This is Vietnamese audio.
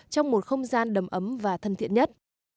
trong một không gian đầm ấm và thân thiện nhất